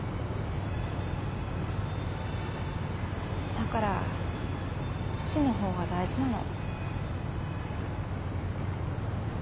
だから父のほうが大事なの。